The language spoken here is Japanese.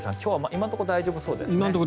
今のところ大丈夫です。